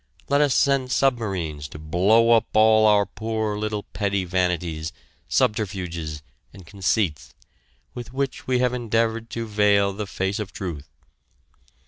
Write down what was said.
Let us send submarines to blow up all our poor little petty vanities, subterfuges and conceits, with which we have endeavored to veil the face of Truth.